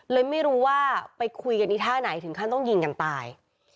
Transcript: เลยไม่รู้ว่าไปคุยกันที่ท่าไหนถึงขั้นต้องยิงกันตาย